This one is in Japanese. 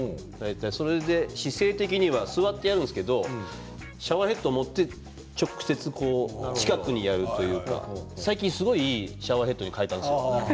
それで、姿勢的には座ってやるんですけどシャワーヘッドを持って直接近くにやるというか最近すごくいいシャワーヘッドに替えたんですよ。